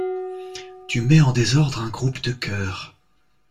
Tu mets en désordre un groupe de cœurs.